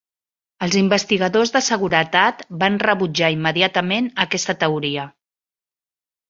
Els investigadors de seguretat van rebutjar immediatament aquesta teoria.